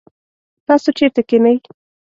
تاسو چیرته کښېنئ؟